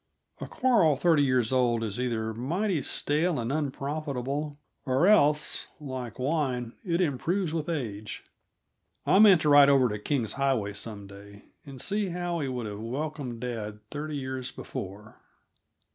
A quarrel thirty years old is either mighty stale and unprofitable, or else, like wine, it improves with age. I meant to ride over to King's Highway some day, and see how he would have welcomed dad thirty years before.